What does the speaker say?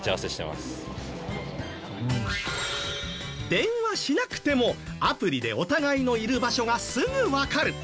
電話しなくてもアプリでお互いのいる場所がすぐわかる。